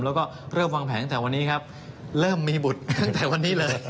แล้วก็เริ่มวางแผนตั้งแต่วันนี้ครับเริ่มมีบุตรตั้งแต่วันนี้เลย